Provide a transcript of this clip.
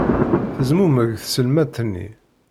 Tezmumeg tselmadt-nni.